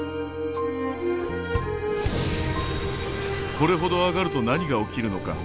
これほど上がると何が起きるのか。